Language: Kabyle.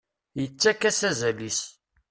Yettak-as azal-is.